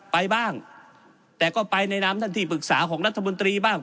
ไปบ้างแต่ก็ไปในนามท่านที่ปรึกษาของรัฐมนตรีบ้าง